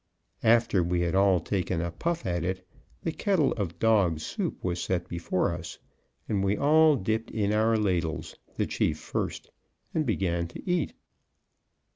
After we had all taken a puff at it, the kettle of dog soup was set before us, and we all dipped in our ladles, the chief first, and began to eat.